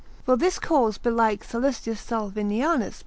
For this cause belike Salust. Salvinianus, l.